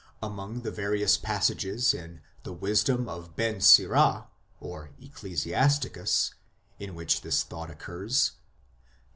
5. Among the various passages in " The Wisdom of Ben Sira " (Ecclesi asticus] in which this thought occurs, xli.